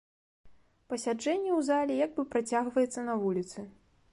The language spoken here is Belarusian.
Пасяджэнне ў зале як бы працягваецца на вуліцы.